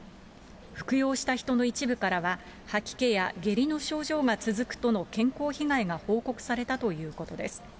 服用した人の一部からは、吐き気や下痢の症状が続くとの健康被害が報告されたということです。